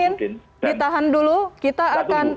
bang boyamin ditahan dulu kita akan